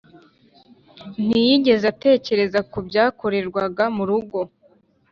ntiyigeze atekereza ku byakorerwaga mu rugo.